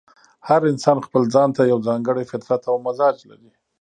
هر انسان ځپل ځان ته یو ځانګړی فطرت او مزاج لري.